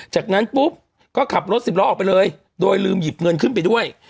จากนั้นปุ๊บก็ขับรถสิบล้อออกไปเลยโดยลืมหยิบเงินขึ้นไปด้วย